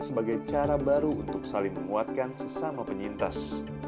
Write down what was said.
sebagai cara baru untuk saling menguatkan sesama penyintas